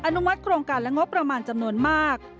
อนุมัติโครงการและงบประมาณจำนวนมาก